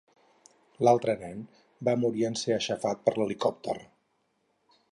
L'altre nen va morir en ser aixafat per l'helicòpter.